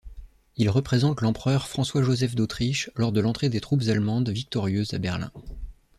Il représente l'empereur François-Joseph d'Autriche lors de l'entrée des troupes allemandes victorieuses à Berlin.